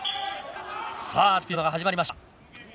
第１ピリオドが始まりました。